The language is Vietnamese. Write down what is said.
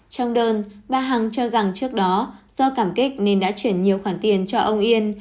trong đơn bà hằng cho rằng trước đó do cảm kích nên đã chuyển nhiều khoản tiền cho ông yên